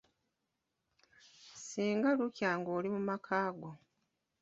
Singa lukya ng'oli mu maka go.